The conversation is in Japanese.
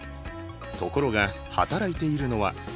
ところが働いているのは。